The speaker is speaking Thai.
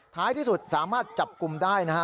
ท้ายที่สุดสามารถจับกลุ่มได้นะฮะ